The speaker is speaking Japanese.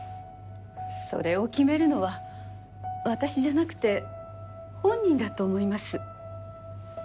それを決めるのは私じゃなくて本人だと思います。